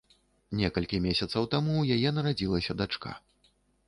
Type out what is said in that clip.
Некалькі месяцаў таму ў яе нарадзілася дачка.